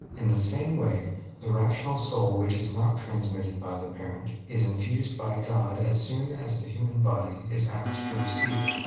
In the same way the rational soul, which is not transmitted by the parent, is infused by God as soon as the human body is apt to receive it.